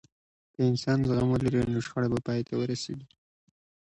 که انسان زغم ولري، نو شخړه به پای ته ورسیږي.